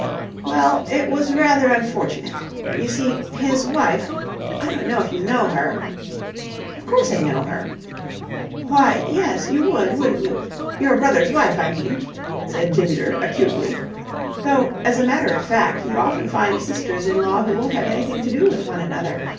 "Well, it was rather unfortunate. You see, his wife I don't know if you know her?..." "Of course I know her." "Why, yes, you would, wouldn't you? Your brother's wife, I mean," said Ginger acutely. "Though, as a matter of fact, you often find sisters in law who won't have anything to do with one another.